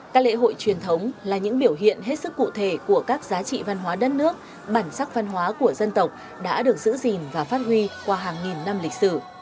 các lễ hội truyền thống là những biểu hiện hết sức cụ thể của các giá trị văn hóa đất nước bản sắc văn hóa của dân tộc đã được giữ gìn và phát huy qua hàng nghìn năm lịch sử